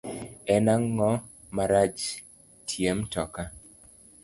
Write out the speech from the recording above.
En ango marach tie mtoka